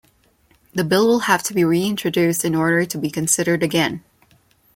The bill will have to be reintroduced in order to be considered again.